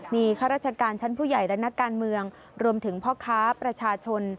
มีข้าราชการชั้นผู้ใหญ่และนักการเมืองรวมถึงพ่อค้าประชาชน